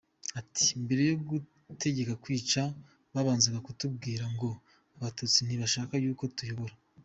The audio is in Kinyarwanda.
Ati: “Mbere yo kudutegeka kwica babanzaga kutubwira ngo Abatutsi ntibashaka y’uko tuyobora.